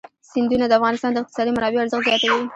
سیندونه د افغانستان د اقتصادي منابعو ارزښت زیاتوي.